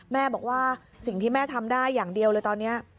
แม่บอกว่าสิ่งที่แม่ทำได้อย่างเดียวเลยตอนนี้